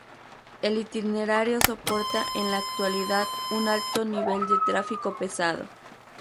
El itinerario soporta en la actualidad un alto nivel de tráfico pesado.